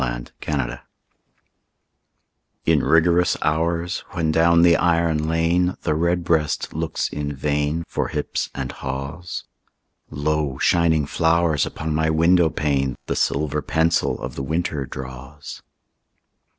XVII—WINTER In rigorous hours, when down the iron lane The redbreast looks in vain For hips and haws, Lo, shining flowers upon my window pane The silver pencil of the winter draws.